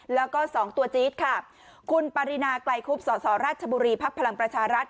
แล้วก็สองตัวจี๊ดค่ะคุณปรินาไกลคุบสสราชบุรีภักดิ์พลังประชารัฐ